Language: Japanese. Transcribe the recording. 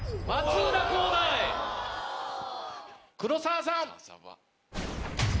黒沢さん。